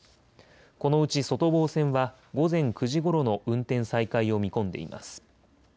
このうち外房線は午前９時ごろの運転再開を見込んでいます。